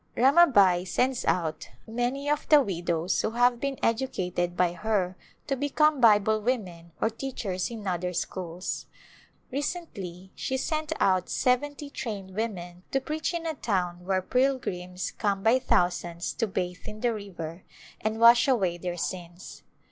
Ramabai sends out many of the widows who have been educated by her to become Bible women or teachers in other schools. Recently she sent out seventy trained women to preach in a town where pilgrims come by thousands to bathe in the river and wash away their sins.